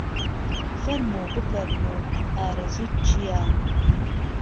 فهرموو بفهرموو ئارەزووت چییه